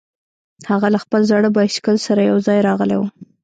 هغه له خپل زاړه بایسکل سره یوځای راغلی و